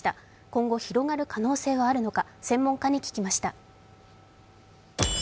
今後、広がる可能性はあるのか、専門家に聞きました。